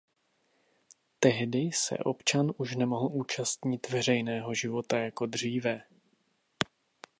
Tehdy se občan už nemohl účastnit veřejného života jako dříve.